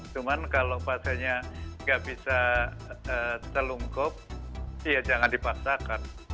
cuman kalau pasiennya nggak bisa terlungkup ya jangan dipaksakan